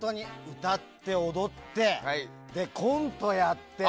歌って踊って、コントやって。